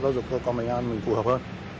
giáo dục cho con mình hơn mình phù hợp hơn